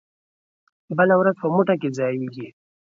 بله ورځ په مو ټه کې ځائېږي